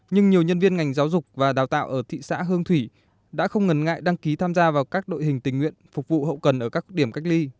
nhưng nhiều nhân viên ngành giáo dục và đào tạo ở thị xã hương thủy đã không ngần ngại đăng ký tham gia vào các đội hình tình nguyện phục vụ hậu cần ở các điểm cách ly